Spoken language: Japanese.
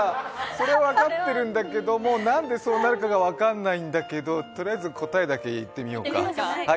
それは分かってるんだけどなんでそうなるかが分かんないんだけどとりあえず、答えだけ言ってみようか。